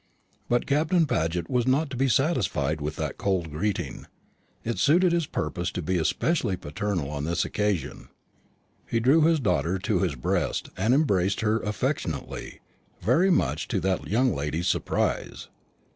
But Captain Paget was not to be satisfied by that cold greeting. It suited his purpose to be especially paternal on this occasion. He drew his daughter to his breast, and embraced her affectionately, very much to that young lady's surprise.